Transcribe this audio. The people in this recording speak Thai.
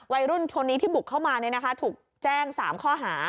วัยรุ่นคนนี้ที่บุกเข้ามาถูกแจ้ง๓ข้อหา